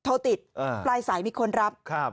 โทรติดปลายสายมีคนรับ